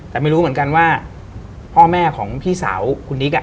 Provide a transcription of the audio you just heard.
แต่ไม่รู้เหมือนกันว่าพ่อแม่ของพี่สาวคุณนิก